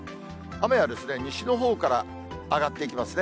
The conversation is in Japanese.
雨は西のほうから上がっていきますね。